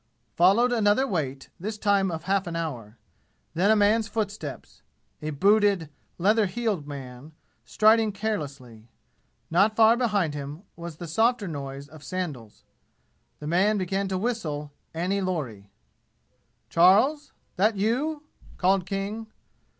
Followed another wait, this time of half an hour. Then a man's footsteps a booted, leather heeled man, striding carelessly. Not far behind him was the softer noise of sandals. The man began to whistle Annie Laurie. "Charles? That you?" called King.